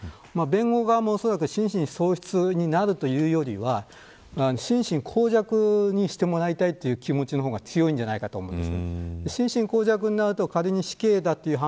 弁護側も心神喪失なるというよりは心神耗弱にしてもらいたいという気持ちの方が強いんじゃないかと思います。